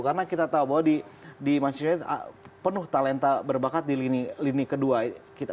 karena kita tahu bahwa di manchester united penuh talenta berbakat di lini kedua